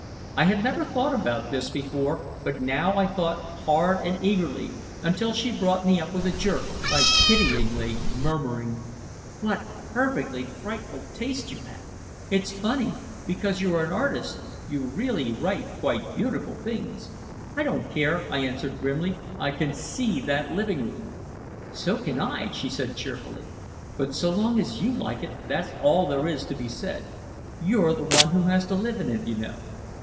I had never thought about this before, but now I thought hard and eagerly until she brought me up with a jerk, by pityingly murmuring: "What perfectly frightful taste you have. It's funny because you're an artist you really write quite beautiful things." "I don't care," I answered grimly. "I can see that living room " "So can I," she said cheerfully. "But so long as you like it, that's all there is to be said. You're the one who has to live in it, you know.